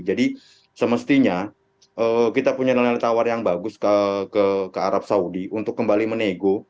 jadi semestinya kita punya nilai tawar yang bagus ke arab saudi untuk kembali menego